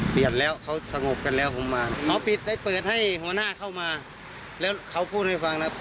ผมเข้ามา